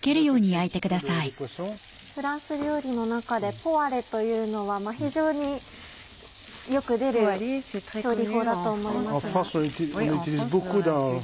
フランス料理の中でポワレというのは非常によく出る調理法だと思いますが。